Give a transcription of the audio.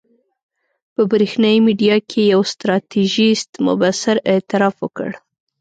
په برېښنایي میډیا کې یو ستراتیژیست مبصر اعتراف وکړ.